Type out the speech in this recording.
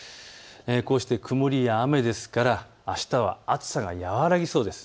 こうして曇りや雨ですからあしたは暑さが和らぎそうです。